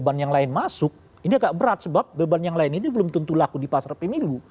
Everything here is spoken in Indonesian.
beban yang lain masuk ini agak berat sebab beban yang lain itu belum tentu laku di pasar pemilu